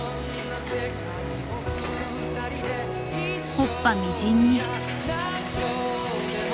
木っ端みじんに。